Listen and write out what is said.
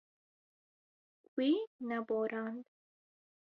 Wî neborand.